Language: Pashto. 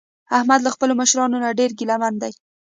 احمد له خپلو مشرانو نه ډېر ګله من دی.